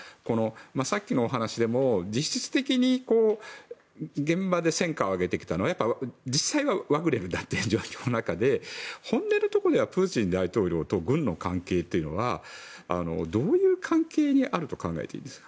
さっきのお話でも、実質的に現場で戦果を挙げてきたのは実際はワグネルだっていう中で本音のところではプーチン大統領と軍の関係というのはどういう関係にあると考えていますか？